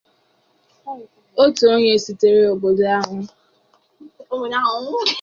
otu onye sitere obodo ahụ